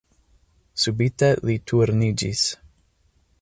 Subite li turniĝis.